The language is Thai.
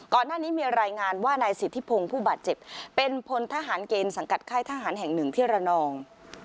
ก่อนหน้านี้มีรายงานว่านายสิทธิพงศ์ผู้บาดเจ็บเป็นพลทหารเกณฑ์สังกัดค่ายทหารแห่งหนึ่งที่ระนอง